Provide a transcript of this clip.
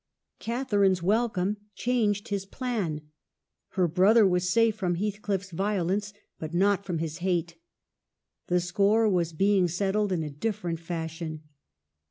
Catharine's welcome changed this plan ; her brother was safe from Heathcliff's violence, but not from his hate. The score was being set tled in a different fashion.